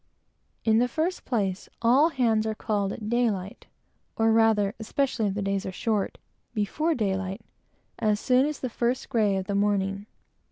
In the first place, all hands are called at daylight, or rather especially if the days are short before daylight, as soon as the first grey of the morning.